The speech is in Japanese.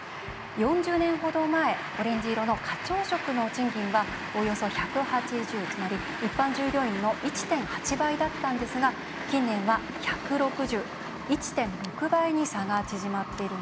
４０年程前、オレンジ色の課長職の賃金は、およそ１８０つまり一般従業員の１．８倍だったんですが近年は１６０、１．６倍に差が縮まっているんですね。